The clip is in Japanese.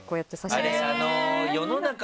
あれ。